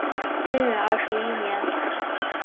贞元二十一年